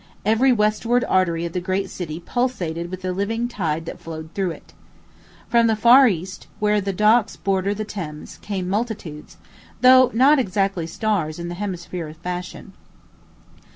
Every westward artery of the great city pulsated with the living tide that flowed through it. From the far east, where the docks border the Thames, came multitudes, though not exactly stars in the hemisphere of fashion.